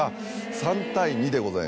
３対２でございます。